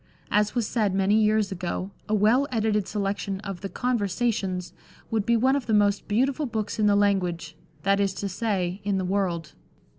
As was said many years ago, a well edited selection of the Conversations would be " one of the most beautiful books in the language — that is to say, in the world."